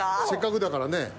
せっかくだからね。